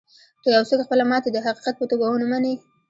که يو څوک خپله ماتې د حقيقت په توګه و نه مني.